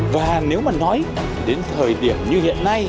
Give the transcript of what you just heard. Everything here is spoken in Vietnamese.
và nếu mà nói đến thời điểm như hiện nay